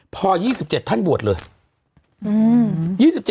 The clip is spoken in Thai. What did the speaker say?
พอ๒๗ท่านบวชเลย